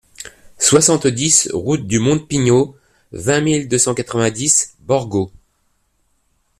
soixante-dix route du Monte Pigno, vingt mille deux cent quatre-vingt-dix Borgo